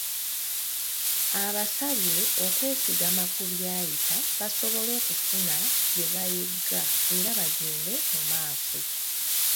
Abasabye okwesigama ku byayita basobole okufuna bye bayiga era bagende mu maaso.